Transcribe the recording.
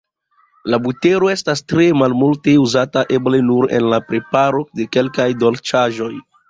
La butero estas tre malmulte uzata, eble nur en la preparo de kelkaj dolĉaĵoj.